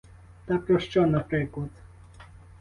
Та про що, наприклад?